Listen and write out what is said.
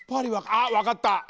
あっわかった！